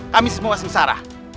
kami semua sengsara